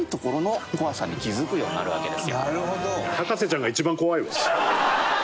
なるほど！